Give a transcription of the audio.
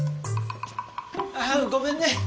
あっごめんね。